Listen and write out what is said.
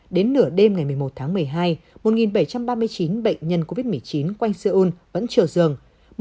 đến nửa đêm ngày một mươi một tháng một mươi hai một bảy trăm ba mươi chín bệnh nhân covid một mươi chín quanh seoul vẫn chiều dường